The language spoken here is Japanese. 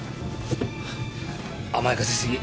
甘やかせ過ぎ。